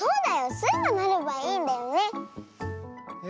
スイがなればいいんだよね！